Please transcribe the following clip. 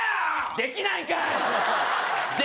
できないんかい！